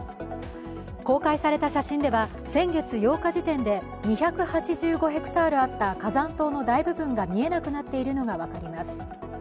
公開された写真では先月８日時点で２８５ヘクタールあった火山島の大部分が見えなくなっているのが分かります。